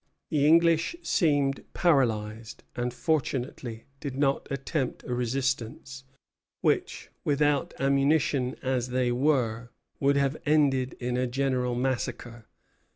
The English seemed paralyzed, and fortunately did not attempt a resistance, which, without ammunition as they were, would have ended in a general massacre.